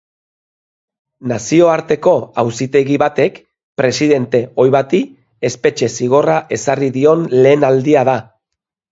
Nazioarteko auzitegi batek presidente ohi bati espetxe zigorra ezarri dion lehen aldia da.